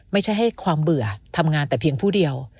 ไม่ใช่ให้ความเบื่อทำงานแต่เพียงผู้เดียว